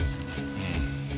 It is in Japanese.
うん。